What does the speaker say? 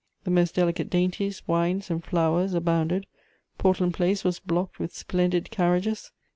The most delicate dainties, wines and flowers abounded. Portland Place was blocked with splendid carriages.